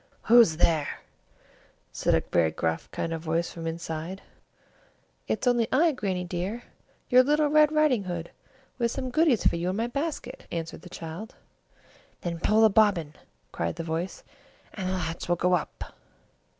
"Who's there?" said a very gruff kind of voice from inside. "It's only I, Grannie dear, your little Red Riding Hood with some goodies for you in my basket, answered the child. "Then pull the bobbin," cried the voice, "and the latch will go up."